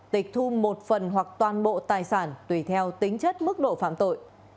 tịch thu một phần hoặc toàn bộ tài sản tùy theo tính chất mức độ phạm tội